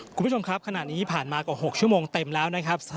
คุณผู้ชมครับขณะนี้ผ่านมากว่า๖ชั่วโมงเต็มแล้วนะครับ